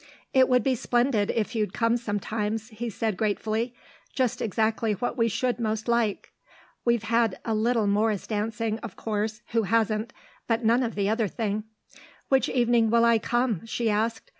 "It would be splendid if you'd come sometimes," he said, gratefully. "Just exactly what we should most like. We've had a little morris dancing, of course who hasn't? but none of the other thing." "Which evening will I come?" she asked.